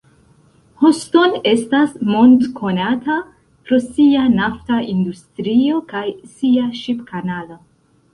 Houston estas mondkonata pro sia nafta industrio kaj sia ŝip-kanalo.